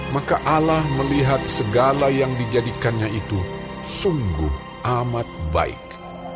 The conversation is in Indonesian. maka allah melihat segala yang dijadikannya itu sungguh amat baik